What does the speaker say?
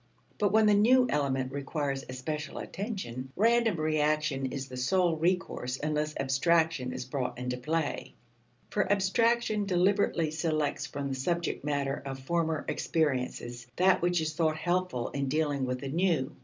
But when the new element requires especial attention, random reaction is the sole recourse unless abstraction is brought into play. For abstraction deliberately selects from the subject matter of former experiences that which is thought helpful in dealing with the new.